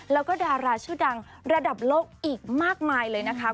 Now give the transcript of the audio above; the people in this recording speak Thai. แล้วก็ดาราชื่อดังระดับโลกอีกมากมายเลยนะคะ